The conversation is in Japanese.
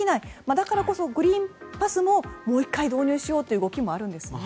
だからこそグリーンパスももう１回導入しようという動きもあるんですね。